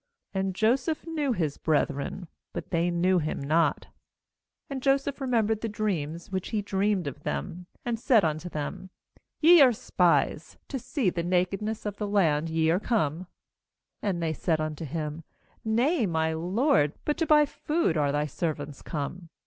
8And Joseph knew his breth ren, but they knew not him. 9A ad Joseph remembered the dreams which he dreamed of them, and said unto them: 'Ye are spies; to see the naked ness of the land ye are come/ 10And they said unto him: 'Nay, my lord, but to buy food are thy servants come.